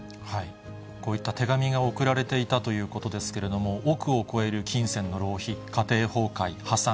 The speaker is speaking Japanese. こういった手紙が送られていたということですけれども、億を超える金銭の浪費、家庭崩壊、破産。